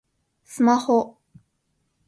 スマホ